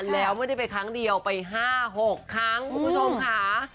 แล้วไม่ได้ไปครั้งเดียวไป๕๖ครั้งคุณผู้ชมค่ะ